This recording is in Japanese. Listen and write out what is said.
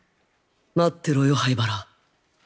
待ってろよ、灰原。